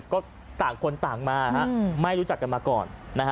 ก็ต่างคนต่างมาไม่รู้จักกันมาก่อนนะฮะ